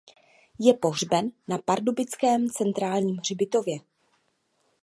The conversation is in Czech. Je pohřben na pardubickém Centrálním hřbitově.